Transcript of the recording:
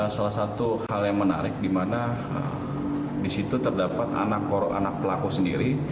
salah satu hal yang menarik di mana di situ terdapat anak pelaku sendiri